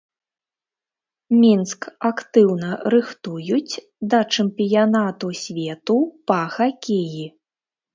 Мінск актыўна рыхтуюць да чэмпіянату свету па хакеі.